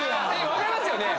分かりますよね？